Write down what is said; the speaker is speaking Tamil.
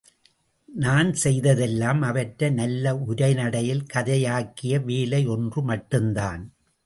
நான் செய்ததெல்லாம் அவற்றை நல்ல உரைநடையில் கதையாக்கிய வேலை ஒன்று மட்டும்தான்.